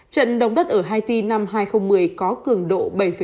trận động đất ở haiti năm hai nghìn một mươi có cường độ bảy năm